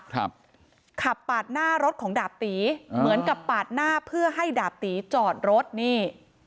ขับปาดหน้ารถของดาบตีเหมือนกับปาดหน้าเพื่อให้ดาบตีจอดรถนี่